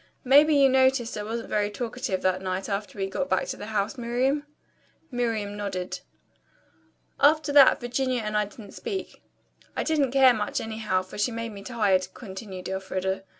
Maybe you noticed I wasn't very talkative that night after we got back to the house, Miriam?" Miriam nodded. "After that, Virginia and I didn't speak. I didn't care much anyhow, for she made me tired," continued Elfreda.